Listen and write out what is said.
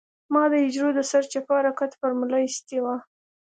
ما د حجرو د سرچپه حرکت فارموله اېستې وه.